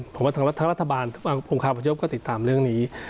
ผมว่าทั้งรัฐบาลทั้งอุงคาประชุมก็ติดตามเรื่องนี้